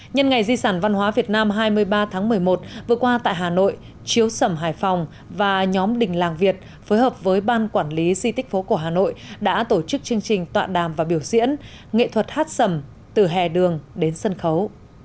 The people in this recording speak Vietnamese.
nhân ngày di sản văn hóa việt nam hai mươi ba tháng một mươi một vừa qua tại hà nội chiếu sẩm hải phòng và nhóm đình làng việt phối hợp với ban quản lý di tích phố cổ hà nội đã tổ chức chương trình tọa đàm và biểu diễn nghệ thuật hát sẩm từ hè đường đến sân khấu